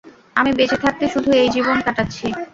আমি বেঁচে থাকতে শুধু এই জীবন কাটাচ্ছি।